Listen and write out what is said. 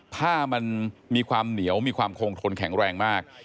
ผ้ามันมีความเหนียวมีความคงทนแข็งแรงมาก